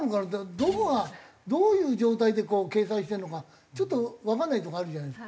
どこがどういう状態で計算してるのかちょっとわかんないとこあるじゃないですか。